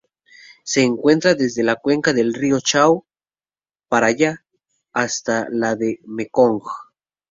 Se encuentra desde la cuenca del río Chao Phraya hasta la del Mekong.